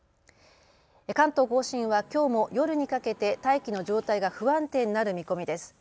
関東甲信はきょうも夜にかけて大気の状態が不安定になる見込みです。